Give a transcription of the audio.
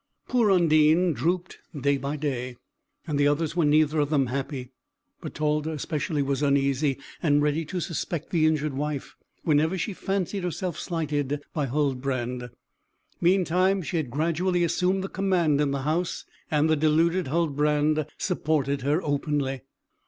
Poor Undine drooped day by day, and the others were neither of them happy; Bertalda especially was uneasy, and ready to suspect the injured wife, whenever she fancied herself slighted by Huldbrand; meantime she had gradually assumed the command in the house, and the deluded Huldbrand supported her openly.